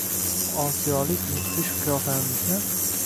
Osiyolik mudhish qiyofamizni!